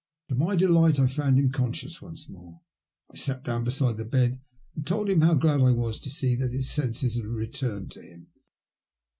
To my delight I found him conscious once more. I sat down beside the bed and told Viith how glad I was to see that his senses had returned to him.